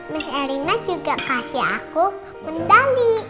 mas elina juga kasih aku mendali